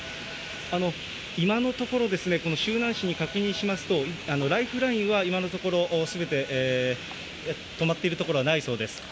今のところ、この周南市に確認しますと、ライフラインは今のところ、すべて止まっている所はないそうです。